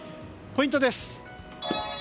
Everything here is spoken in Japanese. ポイントです。